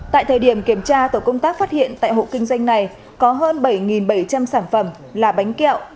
tại thời điểm kiểm tra tổ công tác phát hiện tại hộ kinh doanh này có hơn bảy bảy trăm linh sản phẩm là bánh kẹo